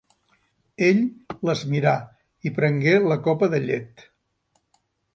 Ell les mirà i prengué la copa de llet.